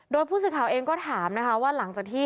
โดยผู้สื่อข่าวเองก็ถามนะคะว่าหลังจากที่